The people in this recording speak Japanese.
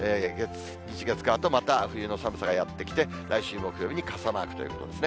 日、月、火と、また冬の寒さがやって来て、来週木曜日に傘マークということですね。